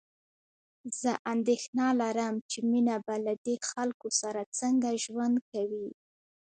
زه اندېښنه لرم چې مينه به له دې خلکو سره څنګه ژوند کوي